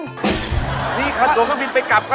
เดี๋ยวนี่คัญหลวงเครื่องบินไปกลับ